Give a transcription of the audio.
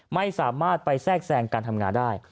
ไม่สามารถไปแทรกแทรงการทำงานได้